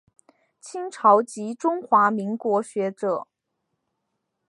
清朝及中华民国学者。